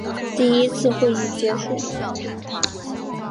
第一次会议结束。